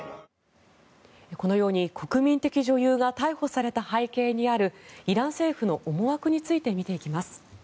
このように国民的女優が逮捕された背景にあるイラン政府の思惑について見ていきます。